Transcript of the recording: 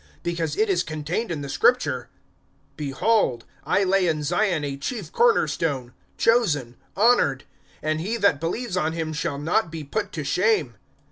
(6)Because it is contained in the Scripture: Behold, I lay in Zion a chief corner stone, chosen, honored; and he that believes on him shall not be put to shame.